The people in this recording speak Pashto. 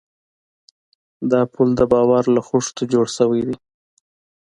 دا پُل د باور له خښتو جوړ شوی دی.